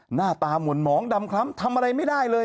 หน้าตาเหมือนหมองดำคล้ำทำอะไรไม่ได้เลย